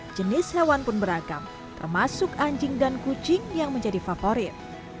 jenis hewan pun beragam termasuk anjing dan kucing yang menjadi favorit